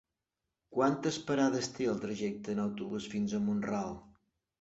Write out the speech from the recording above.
Quantes parades té el trajecte en autobús fins a Mont-ral?